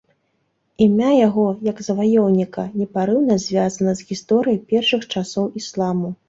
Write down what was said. Імя яго, як заваёўніка, непарыўна звязана з гісторыяй першых часоў ісламу.